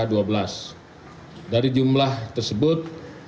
dari jumlah tersebut